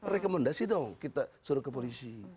rekomendasi dong kita suruh ke polisi